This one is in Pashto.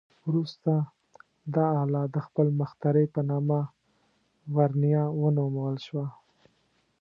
وروسته دا آله د خپل مخترع په نامه "ورنیه" ونومول شوه.